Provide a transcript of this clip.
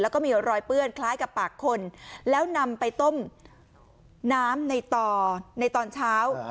แล้วก็มีรอยเปื้อนคล้ายกับปากคนแล้วนำไปต้มน้ำในต่อในตอนเช้า